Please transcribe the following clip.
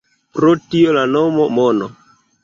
Pro tio la nomo “Mono”.